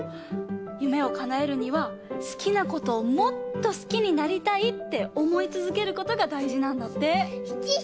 夢をかなえるには好きなことをもっと好きになりたいっておもいつづけることがだいじなんだって。